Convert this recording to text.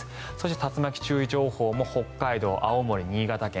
竜巻注意情報も北海道、青森、新潟県